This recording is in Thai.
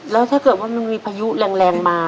แล้วถ้าเกิดว่ามันมีพายุแรงมา